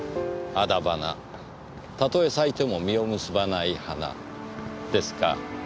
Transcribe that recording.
徒花「たとえ咲いても実を結ばない花」ですか。